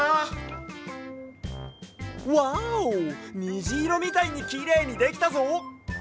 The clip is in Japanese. にじいろみたいにきれいにできたぞ！